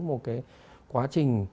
một cái quá trình